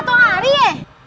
patung ari ya